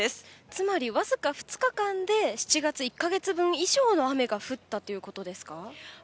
つまり、わずか２日間で７月１か月分以上の雨が降ったということですか。